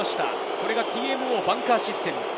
これがＴＭＯバンカーシステム。